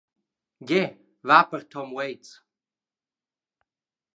Gie, va per Tom Waits.